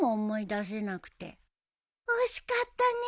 惜しかったね。